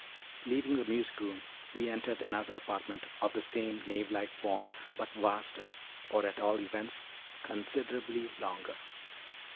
Leaving the music room, we entered another apartment, of the same nave like form, but vaster, or, at all events, considerably longer.